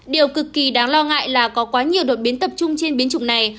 điều cực kỳ đáng lo ngại là có quá nhiều đột biến tập trung trên biến chủng này